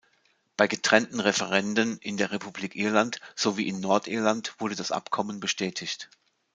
Bei getrennten Referenden in der Republik Irland sowie in Nordirland wurde das Abkommen bestätigt.